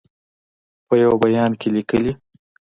په یوه بیان کې لیکلي